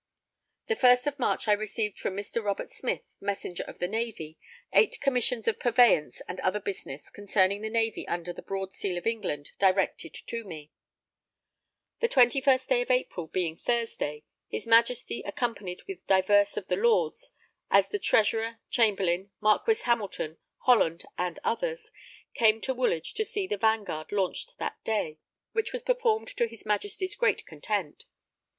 The first of March I received from Mr. Robert Smith, Messenger of the Navy, 8 commissions of purveyance and other business concerning the Navy under the Broad Seal of England directed to me. The 21st day of April, being Thursday, his Majesty, accompanied with divers of the lords, as the Treasurer, Chamberlain, Marquis Hamilton, Holland and others, came to Woolwich to see the Vanguard launched that day, which was performed to his Majesty's great content.